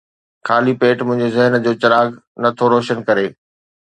خالي پيٽ منهنجي ذهن جو چراغ نه ٿو روشن ڪري